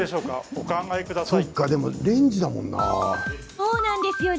お考えください。